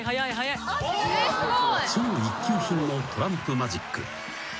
［超一級品のトランプマジック］